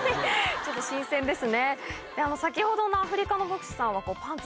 ちょっと新鮮ですね。